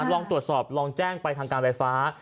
ลองตรวจสอบลองแจ้งไปทางการไฟฟ้า